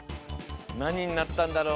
なにになったんだろう？